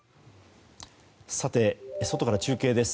外から中継です。